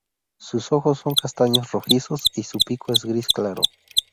Sus ojos son castaños rojizos, y su pico es gris claro.